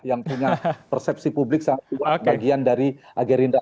yang punya persepsi publik sangat kuat bagian dari gerindra